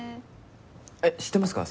えっ知ってますか？